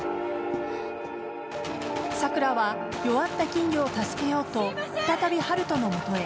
さくらは弱った金魚を助けようと再び春斗のもとへ。